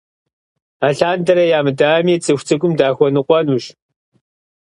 Алъандэрэ ямыдами, цӀыху цӀыкӀум дахуэныкъуэнущ.